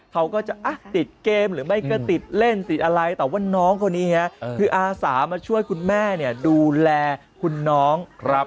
เขาก็จะติดเกมหรือไม่ก็ติดเล่นติดอะไรแต่ว่าน้องคนนี้คืออาสามาช่วยคุณแม่เนี่ยดูแลคุณน้อง